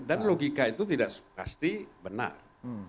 dan logika itu tidak pasti benar